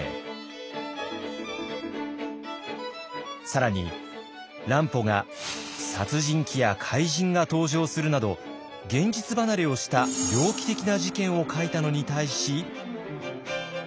更に乱歩が殺人鬼や怪人が登場するなど現実離れをした猟奇的な事件を書いたのに対し。